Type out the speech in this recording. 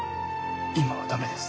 今は駄目です。